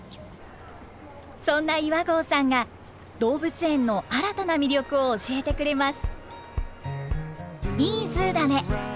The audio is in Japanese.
そんな岩合さんが動物園の新たな魅力を教えてくれます。